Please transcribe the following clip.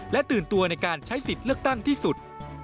ตื่นตัวในการใช้สิทธิ์เลือกตั้งที่สุด